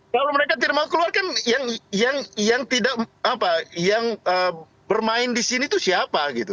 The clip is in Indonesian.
kalau mereka tidak mau keluar kan yang bermain di sini itu siapa gitu